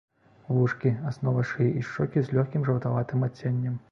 Вушкі, аснова шыі і шчокі з лёгкім жаўтаватым адценнем.